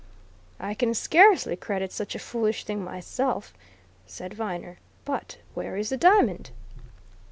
"I can scarcely credit such a foolish thing myself," said Viner. "But where is the diamond?"